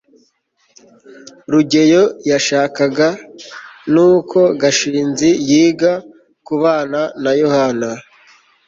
rugeyo yashakaga ni uko gashinzi yiga kubana na yohana